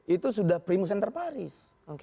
itu sudah primus enterparis